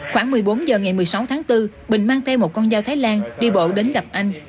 khoảng một mươi bốn h ngày một mươi sáu tháng bốn bình mang theo một con dao thái lan đi bộ đến gặp anh